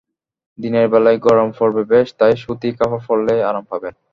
দিনের বেলায় গরম পড়বে বেশ, তাই সুতি কাপড় পরলেই আরাম পাবেন।